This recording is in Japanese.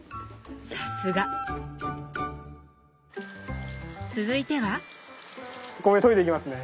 さすが！続いては⁉お米といでいきますね。